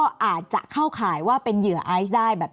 แอนตาซินเยลโรคกระเพาะอาหารท้องอืดจุกเสียดแสบร้อน